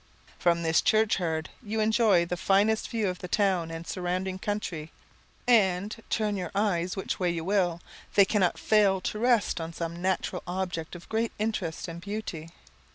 From this churchyard you enjoy the finest view of the town and surrounding country; and, turn your eyes which way you will, they cannot fail to rest on some natural object of great interest and beauty.